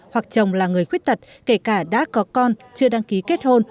hoặc chồng là người khuyết tật kể cả đã có con chưa đăng ký kết hôn